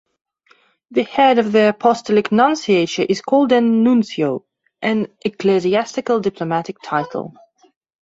The head of the Apostolic Nunciature is called a "nuncio", an ecclesiastical diplomatic title.